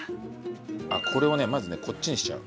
これをねまずねこっちにしちゃう。